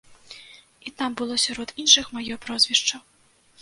І там было сярод іншых маё прозвішча.